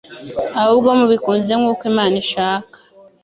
ahubwo mubikunze nk'uko Imana ishaka.